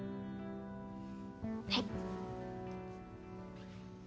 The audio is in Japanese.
はい。